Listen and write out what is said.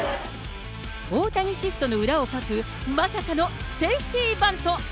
大谷シフトの裏をかくまさかのセーフティーバント。